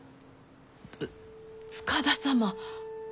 つ塚田様。